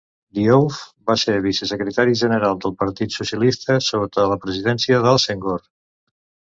Diouf va ser vicesecretari general del Partit Socialista sota la presidència de Senghor.